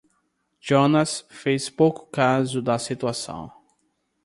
Jonas fez pouco caso da situação.